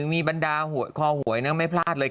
มีบรรดาขอหวยนะไม่พลาดเลย๙๙๙๙